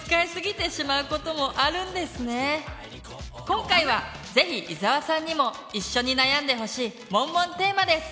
今回はぜひ伊沢さんにも一緒に悩んでほしいモンモンテーマです！